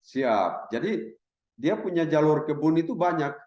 siap jadi dia punya jalur kebun